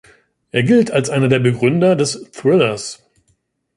Er gilt als einer der Begründer des Thrillers.